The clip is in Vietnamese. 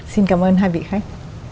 xin cảm ơn hai vị khách